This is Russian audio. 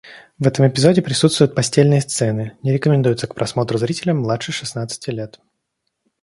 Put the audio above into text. В этом эпизоде присутствуют постельные сцены, не рекомендуется к просмотру зрителям младше шестнадцати лет.